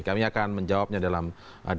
kami akan menjawabnya dalam di video selanjutnya